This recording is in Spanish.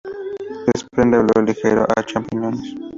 Desprende olor ligero a champiñones.